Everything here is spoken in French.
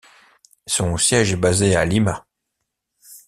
Son siège est basé à Lima.